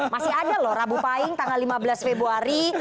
masih ada loh rabu paing tanggal lima belas februari